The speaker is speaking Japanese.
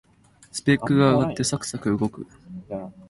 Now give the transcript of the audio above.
スペックが上がってサクサク動く